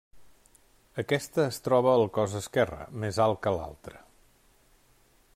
Aquesta es troba al cos esquerre, més alt que l'altre.